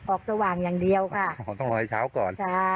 สว่างอย่างเดียวค่ะต้องรอให้เช้าก่อนใช่